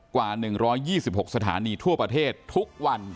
กว่า๑๒๖สถานีทั่วประเทศทุกวัน